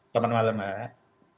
selamat malam mbak